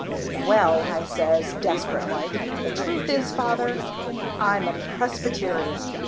'Well,' I says, desperate like, 'the truth is, father, I'm a Presbyterian.